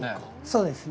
そうですね。